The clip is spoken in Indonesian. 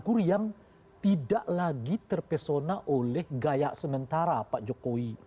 kur yang tidak lagi terpesona oleh gaya sementara pak jokowi